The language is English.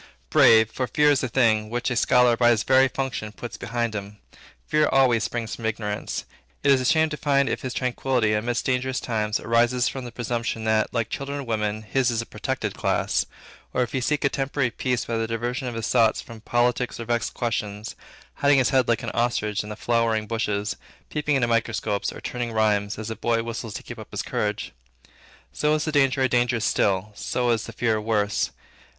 Brave; for fear is a thing, which a scholar by his very function puts behind him. Fear always springs from ignorance. It is a shame to him if his tranquility, amid dangerous times, arise from the presumption, that, like children and women, his is a protected class; or if he seek a temporary peace by the diversion of his thoughts from politics or vexed questions, hiding his head like an ostrich in the flowering bushes, peeping into microscopes, and turning rhymes, as a boy whistles to keep his courage up. So is the danger a danger still; so is the fear worse.